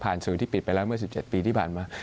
สื่อที่ปิดไปแล้วเมื่อ๑๗ปีที่ผ่านมา